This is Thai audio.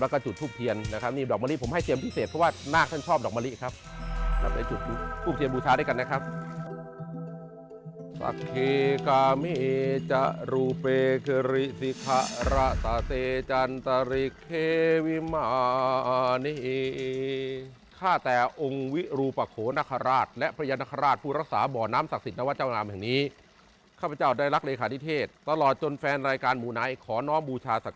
แล้วก็จุดทูปเทียนนะครับนี่ดอกมะลิผมให้เตรียมพิเศษเพราะว่านาคท่านชอบดอกมะลิครับ